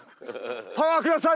パワーください